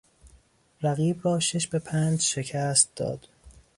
رقیب را شش به پنج شکست داد.